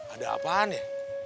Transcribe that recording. ada apaan ya